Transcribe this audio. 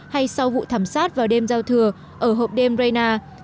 hay sau vụ thảm sát vào đêm giao thừa ở hộp đêm rayna